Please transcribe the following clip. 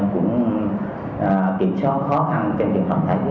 trường hợp thứ nhất là bệnh nhân sinh năm một nghìn chín trăm chín mươi bảy ở tây ninh